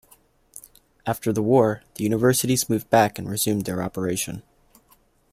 After the war, the universities moved back and resumed their operation.